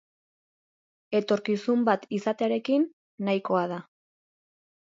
Etorkizun bat izatearekin nahikoa da.